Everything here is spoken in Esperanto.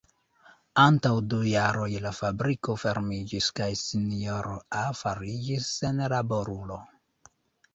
Antaŭ du jaroj la fabriko fermiĝis kaj sinjoro A fariĝis senlaborulo.